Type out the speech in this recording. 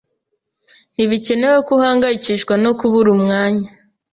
Ntibikenewe ko uhangayikishwa no kubura umwanya